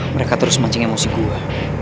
mereka terus mancing emosi gue